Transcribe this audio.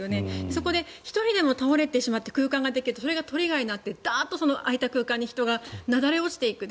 そこで１人でも倒れてしまってそこに空間ができるとそれがトリガーになってダーッと空いた空間に人がなだれ落ちていく。